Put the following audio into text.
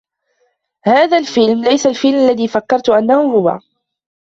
هذا الفيلم ليس الفيلم الذي فكرت انه هو.